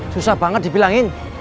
susah banget dibilangin